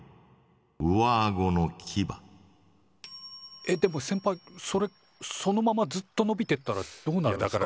えっでもせんぱいそれそのままずっとのびてったらどうなるんすか？